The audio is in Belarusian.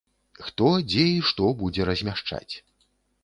Хто, дзе і што будзе размяшчаць.